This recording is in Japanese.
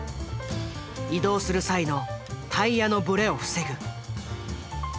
移動する際のタイヤのブレを防ぐ。